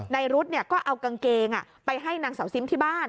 รุ๊ดก็เอากางเกงไปให้นางสาวซิมที่บ้าน